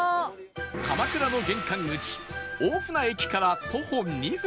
鎌倉の玄関口大船駅から徒歩２分